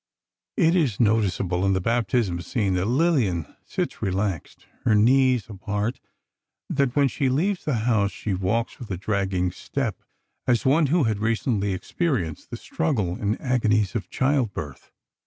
It is noticeable in the baptism scene, that Lillian sits relaxed, her knees apart; that when she leaves the house, she walks with a dragging step, as one who had recently experienced the struggle and agonies of child birth.